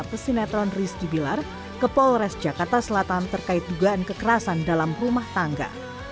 pesinetron rizky bilar ke polres jakarta selatan terkait dugaan kekerasan dalam rumah tangga